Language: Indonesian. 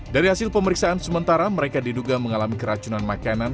dari hasil pemeriksaan sementara mereka diduga mengalami keracunan makanan